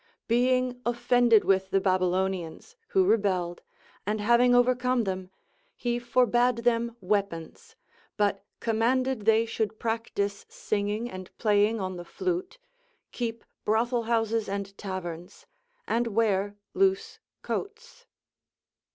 Being offended with the Babylonians, Avho rebelled, and having overcome them, he forbade them weapons, but commanded they should practise singing and playing on the flute, keep brothel houses and taverns, and wear loose coats.